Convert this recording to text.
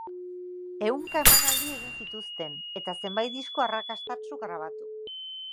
Ehunka emanaldi egin zituzten eta zenbait disko arrakastatsu grabatu.